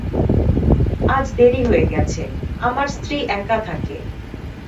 আজ দেরি হয়ে গেছে, আমার স্ত্রী একা থাকে।